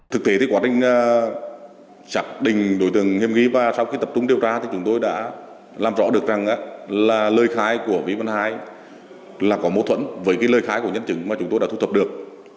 thực tế thì quá trình xác định đối tượng nghiêm ghi và sau khi tập trung điều tra thì chúng tôi đã làm rõ được rằng là lời khai của vi văn hai là có mâu thuẫn với cái lời khai của nhân chứng mà chúng tôi đã thu thập được